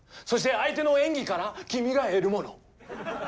そして相手の演技から君が得るもの。